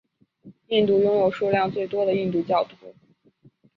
印度拥有数量最多印度教徒。